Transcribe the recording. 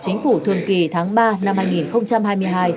chính phủ thường kỳ tháng ba năm hai nghìn hai mươi hai